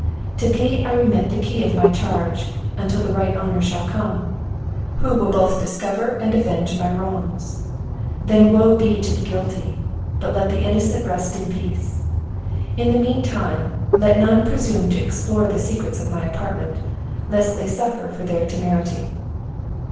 To thee I remit the key of my charge, until the right owner shall come, who will both discover and avenge my wrongs; then, woe be to the guilty! But let the innocent rest in peace. In the mean time, let none presume to explore the secrets of my apartment, lest they suffer for their temerity."